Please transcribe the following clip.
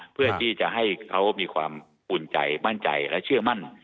เพื่อที่จะให้เขามีความอุ่นใจมั่นใจและเชื่อมั่น